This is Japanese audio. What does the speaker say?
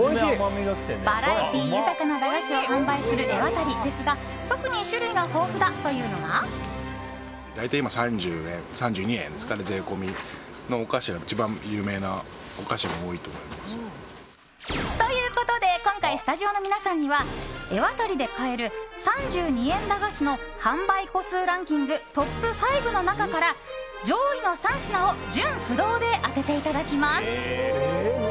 バラエティー豊かな駄菓子を販売するエワタリですが特に種類が豊富だというのが。ということで今回、スタジオの皆さんにはエワタリで買える３２円駄菓子の販売個数ランキングトップ５の中から上位の３品を順不同で当てていただきます。